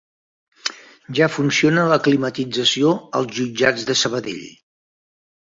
Ja funciona la climatització als Jutjats de Sabadell